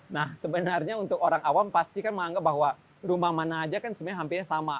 nah sebenarnya untuk orang awam pasti kan menganggap bahwa rumah mana aja kan sebenarnya hampir sama